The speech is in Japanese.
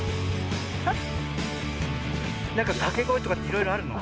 なんかかけごえとかっていろいろあるの？